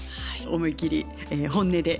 思い切り本音で。